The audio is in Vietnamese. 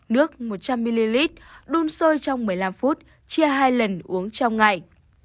để xong cặn sữa quả mùi sáu g nước một trăm linh ml đun sôi trong một mươi năm phút chia hai lần uống trong ngày